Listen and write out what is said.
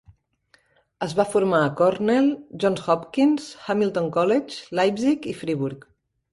Es va formar a Cornell, Johns Hopkins, Hamilton College, Leipzig i Friburg.